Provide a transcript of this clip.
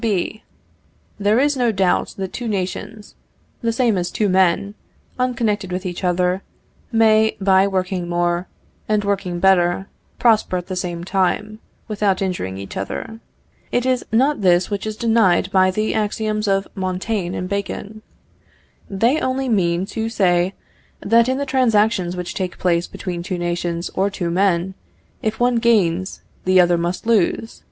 B. There is no doubt that two nations, the same as two men, unconnected with each other, may, by working more, and working better, prosper at the same time, without injuring each other. It is not this which is denied by the axioms of Montaigne and Bacon. They only mean to say, that in the transactions which take place between two nations or two men, if one gains, the other must lose.